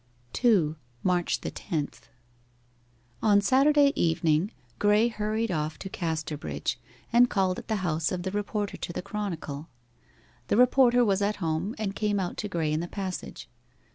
2. MARCH THE TENTH On Saturday evening Graye hurried off to Casterbridge, and called at the house of the reporter to the Chronicle. The reporter was at home, and came out to Graye in the passage.